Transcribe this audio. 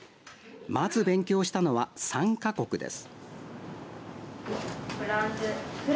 まず、勉強したのは参加国です。